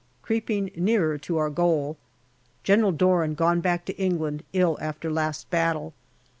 Creeping nearer to our goal. General Doran gone back to England, ill after last battle.